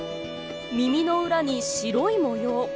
耳の裏に白い模様。